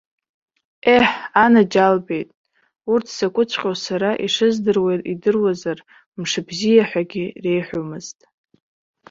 Еҳ, анаџьалбеит, урҭ закәыҵәҟьоу сара ишыздыруа идыруазар, мшыбзиа ҳәагьы реиҳәомызт.